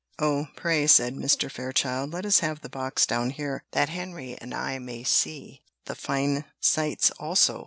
"Oh, pray," said Mr. Fairchild, "let us have the box down here, that Henry and I may see the fine sights also."